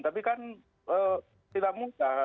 tapi kan tidak mudah